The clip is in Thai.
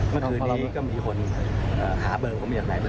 เมื่อคืนนี้ก็มีคนหาเบอร์ของผมอย่างไร